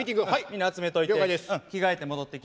みんな集めといて。